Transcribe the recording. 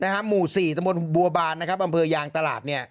หมู่๔ตมบัวบานอำเภยางตลาดนี่